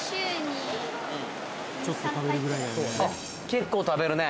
結構食べるね